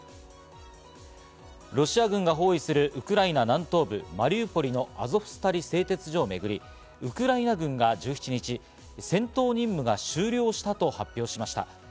ロシア軍が包囲するウクライナ南東部マリウポリのアゾフスタリ製鉄所をめぐり、ウクライナ軍が１７日、戦闘任務が終了したと発表しました。